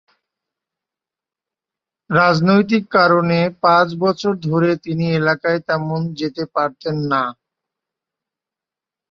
রাজনৈতিক কারণে পাঁচ বছর ধরে তিনি এলাকায় তেমন যেতে পারতেন না।